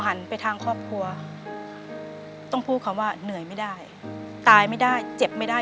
เปลี่ยนเพลงเพลงเก่งของคุณและข้ามผิดได้๑คำ